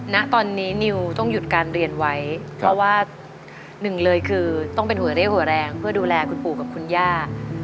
ณตอนนี้นิวต้องหยุดการเรียนไว้เพราะว่าหนึ่งเลยคือต้องเป็นหัวเร่หัวแรงเพื่อดูแลคุณปู่กับคุณย่า